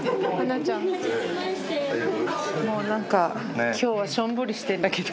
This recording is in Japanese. もう何か今日はしょんぼりしてんだけど。